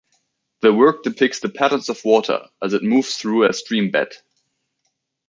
The work depicts the patterns of water as it moves through a stream bed.